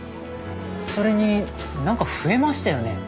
それに何か増えましたよね。